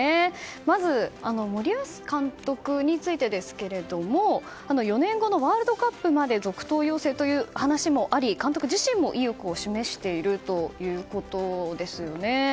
まず森保監督についてですけども４年後のワールドカップまで続投要請という話もあり監督自身も意欲を示しているということですよね。